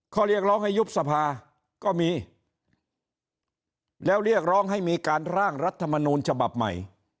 ข้อเรียกร้องให้ยุบสภาก็มีแล้วเรียกร้องให้มีการร่างรัฐมนูลฉบับใหม่